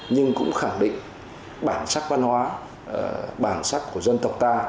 nhưng cũng khẳng định bản sắc văn hóa bản sắc của dân tộc ta